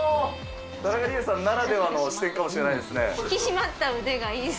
田中理恵さんならではの視点かもしれないですね。